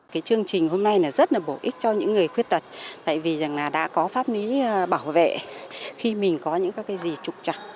cái chương trình hôm nay rất là bổ ích cho những người khuyết tật tại vì đã có pháp lý bảo vệ khi mình có những cái gì trục trọng